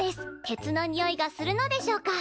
鉄のニオイがするのでしょうか？